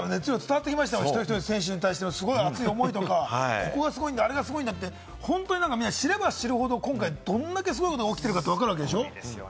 一人一人の選手に対しての熱い思いとか、ここがすごい、あそこがすごいって、知れば知るほど、今回、どんだけすごいことが起きてるかって分かるわけでしょ？